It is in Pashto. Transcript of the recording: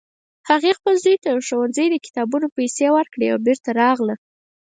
هغې خپل زوی ته د ښوونځي د کتابونو پیسې ورکړې او بیرته راغله